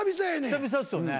久々ですよね。